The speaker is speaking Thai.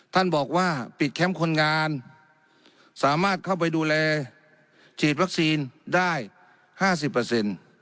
ท่านบอกว่าปิดแคมป์คนงานสามารถเข้าไปดูแลฉีดวัคซีนได้ห้าสิบเปอร์เซ็นต์